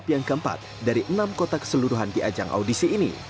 yang keempat dari enam kota keseluruhan di ajang audisi ini